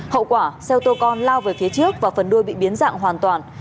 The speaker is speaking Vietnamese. hậu quả xeo tô con lao về phía trước và phần đuôi bị biến dạng hoàn toàn